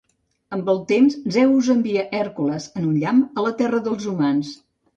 Amb el temps Zeus envia Hèrcules, en un llamp, a la terra dels humans.